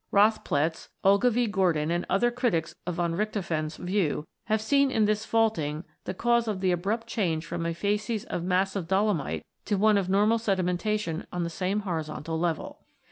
Rothpletz, Ogilvie Gordon do), and other critics of von Richthofen's view have seen in this faulting the cause of the abrupt change from a facies of massive dolomite to one of normal sedimentation on the same horizontal level.